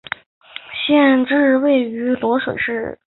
县治位于漯水市。